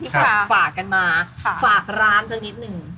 ฝากร้านจังนิดนึง